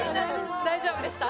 大丈夫でした。